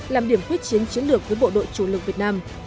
làm điểm quyết chiến chiến lược với bộ đội chủ lực việt nam